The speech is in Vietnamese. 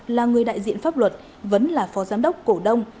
là người đại diện pháp luật vấn là phó giám đốc cổ đông